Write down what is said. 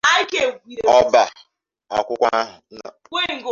ọba akwụkwọ ahụ